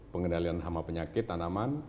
pengendalian hama penyakit tanaman